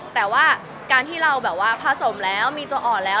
แต่ว่าการที่เราแบบว่าผสมแล้วมีตัวอ่อนแล้ว